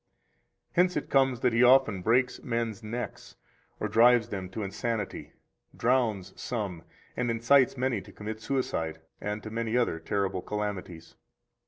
Hence it comes that he often breaks men's necks or drives them to insanity, drowns some, and incites many to commit suicide, and to many other terrible calamities.